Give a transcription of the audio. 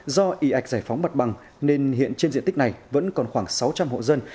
do y ạch giải phóng mặt bằng nên hiện trên diện tích này vẫn còn khoảng sáu trăm linh hộ dân